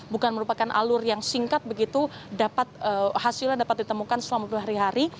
bukan merupakan alur yang singkat begitu hasilnya dapat ditemukan selama berhari hari